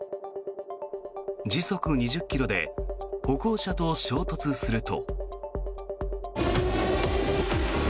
時速２０ｋｍで歩行者と衝突すると。